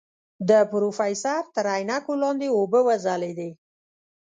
د پروفيسر تر عينکو لاندې اوبه وځلېدې.